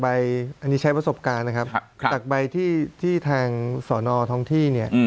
อันนี้ใช้ประสบการณ์นะครับจากใบที่ที่ทางสอนอทองที่เนี่ย